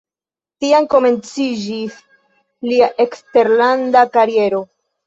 Tiam komenciĝis lia eksterlanda kariero.